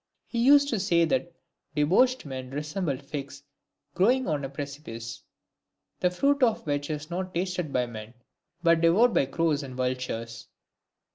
He used to say that debauched men resembled figs growing on a precipice ; the fruit of which is not tasted by men, but devoured by crows and vultures.